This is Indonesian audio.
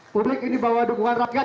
publik ini bahwa dukungan rakyat